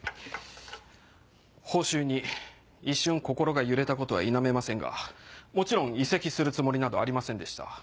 報酬に一瞬心が揺れたことは否めませんがもちろん移籍するつもりなどありませんでした。